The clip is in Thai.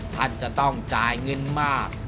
ท่านจะต้องจ่ายเงินมาก